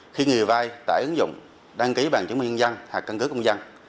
khi người vai tải ứng dụng đăng ký bàn chứng minh nhân dân hoặc căn cứ công dân